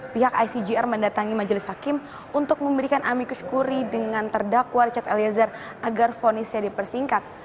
pihak icgr mendatangi majelis hakim untuk memberikan amikus kuri dengan terdakwa richard eliezer agar fonisnya dipersingkat